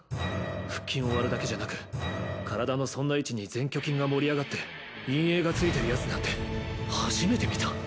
腹筋を割るだけじゃなく身体のそんな位置に「前鋸筋」が盛り上がって陰影がついてるヤツなんて初めて見た。